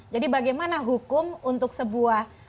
jadi bagaimana hukum untuk sebuah